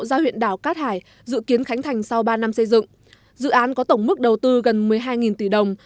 giao huyện đảo cát hải dự kiến khánh thành sau ba năm xây dựng